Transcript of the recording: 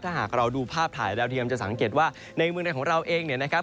ถ้าหากเราดูภาพถ่ายดาวเทียมจะสังเกตว่าในเมืองไทยของเราเองเนี่ยนะครับ